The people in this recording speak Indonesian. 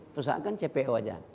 perusahaan kan cpo saja